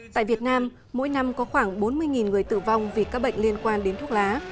tại việt nam mỗi năm có khoảng bốn mươi người tử vong vì các bệnh liên quan đến thuốc lá